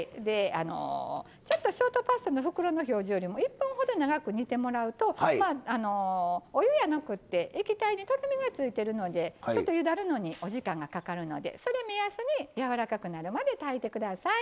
ちょっとショートパスタの袋の表示よりも１分ほど長く煮てもらうとお湯やなくって液体にとろみがついてるのでちょっとゆだるのにお時間がかかるのでそれ目安にやわらかくなるまで炊いてください。